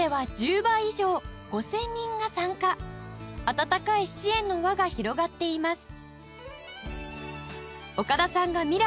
温かい支援の輪が広がっています